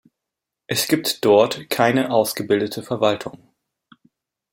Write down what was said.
Es gibt dort keine ausgebildete Verwaltung.